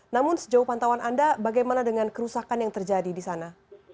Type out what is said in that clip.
namun sejauh pantauan anda bagaimana dengan kerusakan yang terjadi di sana